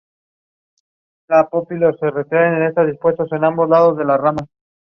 The structure and the effects of the compound are similar to those of valepotriates.